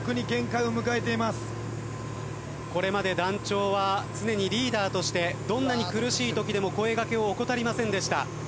これまで団長は常にリーダーとしてどんなに苦しいときでも声掛けを怠りませんでした。